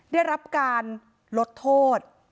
ได้รับการลดโทษ